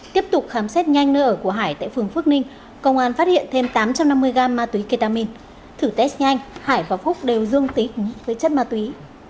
tiếp tục khám xét nhanh nơi ở của hải tại phường phước ninh công an phát hiện thêm tám trăm năm mươi gram ma túy ketamin thử test nhanh hải và phúc đều dương tính với chất ma túy